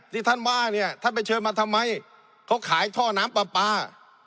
ที่ท่านว่าเนี่ยท่านไปเชิญมาทำไมเขาขายท่อน้ำปลาปลา